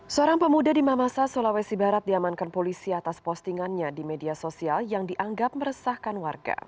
seorang pemuda di mamasa sulawesi barat diamankan polisi atas postingannya di media sosial yang dianggap meresahkan warga